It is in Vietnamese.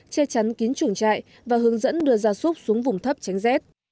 che chắn kín chuồng chạy và hướng dẫn đưa gia súc xuống vùng thấp tránh z